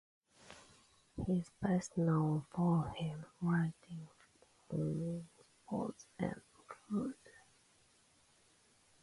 He is best known for his writing on sports and food.